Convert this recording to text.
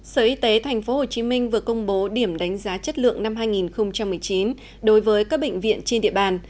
sở y tế tp hcm vừa công bố điểm đánh giá chất lượng năm hai nghìn một mươi chín đối với các bệnh viện trên địa bàn